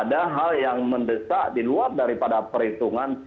ada hal yang mendesak di luar daripada perhitungan